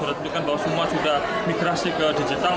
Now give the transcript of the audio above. menunjukkan bahwa semua sudah migrasi ke digital